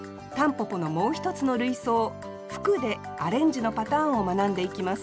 蒲公英のもう一つの類想「吹く」でアレンジのパターンを学んでいきます